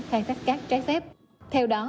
khai thác cát trái phép theo đó